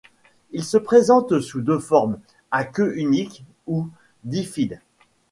Il se présente sous deux formes, à queue unique ou bifide.